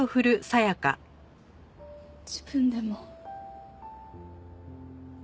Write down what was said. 自分でも。